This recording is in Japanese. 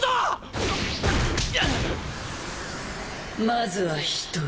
まずは１人。